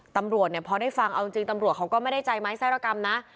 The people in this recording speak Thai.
ตำรวจเนี่ยพอได้ฟังเอาจริงตำรวจเขาก็ไม่ได้ใจไม้ไรกรรมนะ